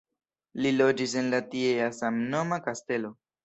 Li loĝis en la tiea samnoma kastelo.